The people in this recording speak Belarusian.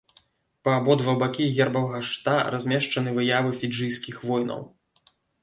Па абодва бакі гербавага шчыта размешчаны выявы фіджыйскіх воінаў.